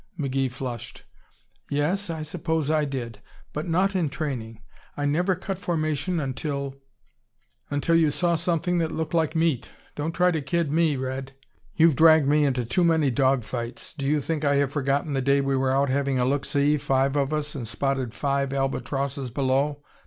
McGee flushed. "Yes, I suppose I did, but not in training. I never cut formation until " "Until you saw something that looked like meat. Don't try to kid me, Red. You've dragged me into too many dog fights. Do you think I have forgotten the day we were out having a look see, five of us, and spotted five Albatrosses below?